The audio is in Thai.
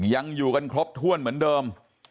ยังอยู่กันครบถ้วนเหมือนเดิม